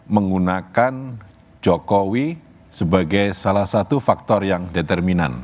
menggunakan jokowi sebagai salah satu faktor yang determinan